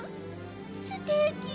ステーキ！